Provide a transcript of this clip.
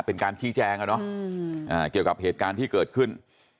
เป็นการชี้แจงอะเนาะเกี่ยวกับเหตุการณ์ที่เกิดขึ้น